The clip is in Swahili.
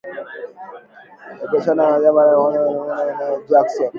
Walipishana na wa Jamhuri ambao kwa ujumla walimshinikiza Jackson.